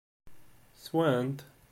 Ssewwen-t?